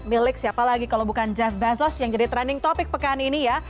milik siapa lagi kalau bukan jeff bezos yang jadi trending topic pekan ini ya